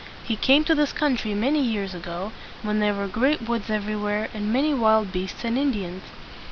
He came to this country many years ago, when there were great woods everywhere, and many wild beasts and Indians.